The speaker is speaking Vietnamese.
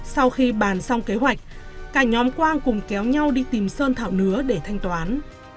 sau khi bàn xong kế hoạch cả nhóm quang cùng kéo nhau đi tìm sơn thảo nứa để thanh toán